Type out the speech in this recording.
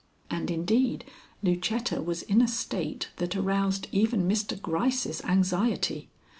And, indeed, Lucetta was in a state that aroused even Mr. Gryce's anxiety.